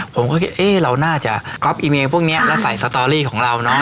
ผมก็คิดเอ๊ะเราน่าจะก๊อปอีเมลพวกนี้แล้วใส่สตอรี่ของเราเนาะ